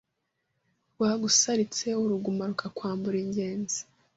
Rwagusaritse uruguma Rukakwambura ingenzi